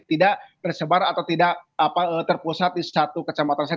tidak tersebar atau tidak terpusat di satu kecamatan saja